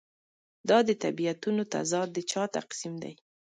دا د طبیعتونو تضاد د چا تقسیم دی.